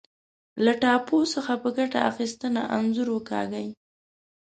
له ټاپو څخه په ګټه اخیستنه انځور وکاږئ.